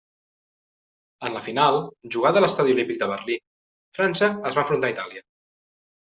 En la final, jugada a l'Estadi Olímpic de Berlín, França es va enfrontar a Itàlia.